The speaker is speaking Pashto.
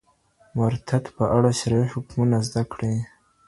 د مرتد په اړه شرعي حکمونه زده کړئ.